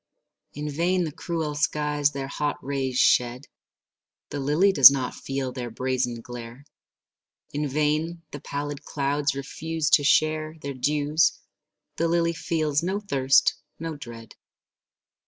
In vain the cruel skies their hot rays shed; The lily does not feel their brazen glare. In vain the pallid clouds refuse to share Their dews; the lily feels no thirst, no dread.